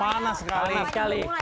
sayang saya terima kasih